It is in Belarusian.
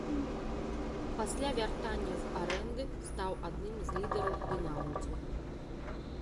Пасля вяртання з арэнды стаў адным з лідараў дынамаўцаў.